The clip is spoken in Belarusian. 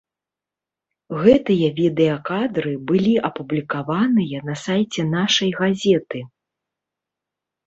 Гэтыя відэакадры былі апублікаваныя на сайце нашай газеты.